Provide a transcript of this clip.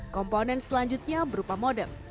komponen selanjutnya berupa modem